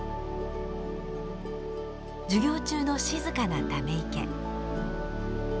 授業中の静かなため池。